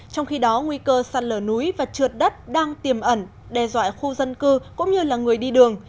trong khi đó nguy cơ sạt lở núi và trượt đất đang tiềm ẩn đe dọa khu dân cư cũng như là người đi đường